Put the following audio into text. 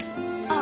あ！